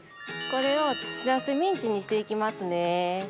これをしらすミンチにして行きますね。